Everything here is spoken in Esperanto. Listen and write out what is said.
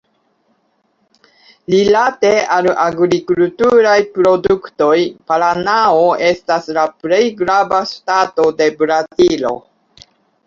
Rilate al agrikulturaj produktoj, Paranao estas la plej grava ŝtato de Brazilo.